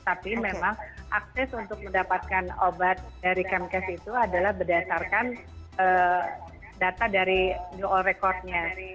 tapi memang akses untuk mendapatkan obat dari kemkes itu adalah berdasarkan data dari new all recordnya